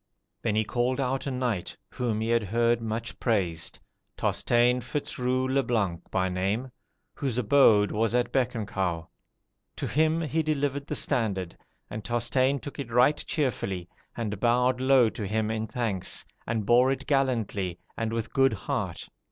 Then he called out a knight, whom he had heard much praised, Tosteins Fitz Rou le Blanc by name, whose abode was at Bec en Caux. To him he delivered the standard; and Tosteins took it right cheerfully, and bowed low to him in thanks, and bore it gallantly, and with good heart.